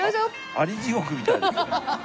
アリ地獄みたい。